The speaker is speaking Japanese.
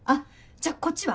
じゃあこっちは？